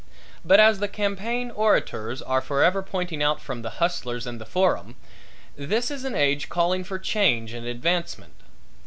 But as the campaign orators are forever pointing out from the hustlers and the forum, this is an age calling for change and advancement.